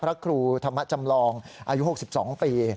พระครูธรรมจำลองอายุ๖๒ปี